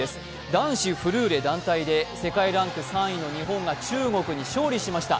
男子フルーレ団体で世界ランク３位の日本が中国に勝利しました。